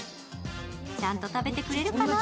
ちゃんと食べてくれるかな？